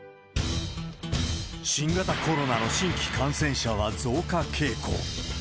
新型コロナの新規感染者は増加傾向。